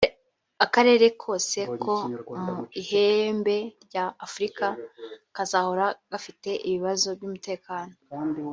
akarere kose ko mu ihembe rya Afurika kazahora gafite ibibazo by’umutekano